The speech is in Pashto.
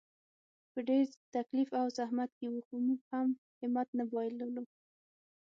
په ډېر تکلیف او زحمت کې وو، خو موږ هم همت نه بایللو.